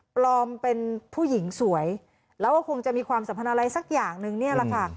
ปลอมเป็นผู้หญิงสวยแล้วก็คงจะมีความสัมพันธ์อะไรสักอย่างนึงเนี่ยแหละค่ะ